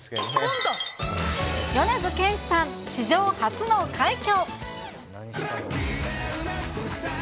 米津玄師さん、史上初の快挙。